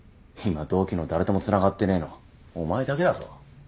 今同期の誰ともつながってねえのお前だけだぞ。